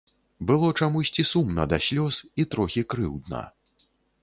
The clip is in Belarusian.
Было чамусьці сумна да слёз і трохі крыўдна.